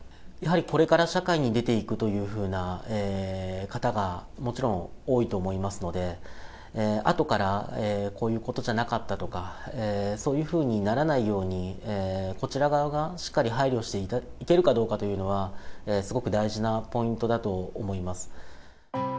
やはりこれから社会に出ていくというふうな方がもちろん多いと思いますので、あとからこういうことじゃなかったとか、そういうふうにならないように、こちら側がしっかり配慮していけるかどうかというのは、すごく大事なポイントだと思います。